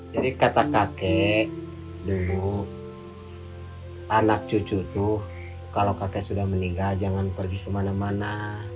jadi kata kakek dulu anak cucu tuh kalau kakek sudah meninggal jangan pergi kemana mana